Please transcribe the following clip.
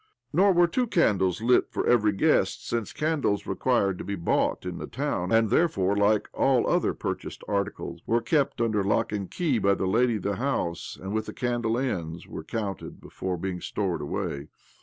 Nor were two candles lit for every guest, since candles required to be bought in the town, and therefore, like all other purchased articles, were kept under lock and key by the lady of the house, and, with the candle ends, were counted before being stored away.